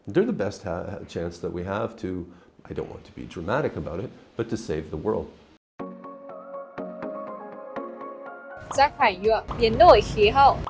vì lý do tôi đã nói chúng ta cần giúp chúng ta có mọi cơ hội để phát triển phát triển và thay đổi mọi thứ